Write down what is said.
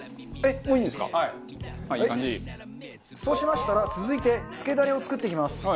そうしましたら続いてつけダレを作っていきます。